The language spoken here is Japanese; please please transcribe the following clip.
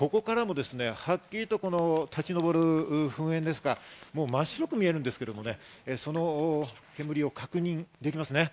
ここからもはっきりと立ち上る噴煙、真っ白く見えるんですけどね、その煙を確認できます。